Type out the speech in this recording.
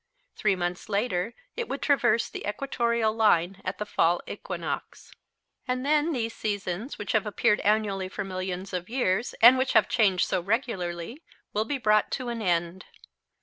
Three months later it would traverse the equatorial line at the Fall equinox. And then these seasons, which have appeared annually for millions of years, and which have changed so regularly, will be brought to an end.